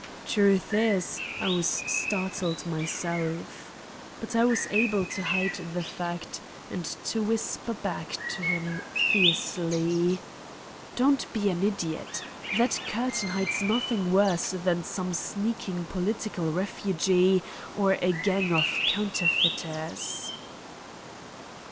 The truth is, I was startled myself, but I was able to hide the fact and to whisper back to him, fiercely: "Don't be an idiot. That curtain hides nothing worse than some sneaking political refugee or a gang of counterfeiters."